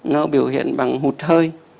nó biểu hiện bằng hụt hơi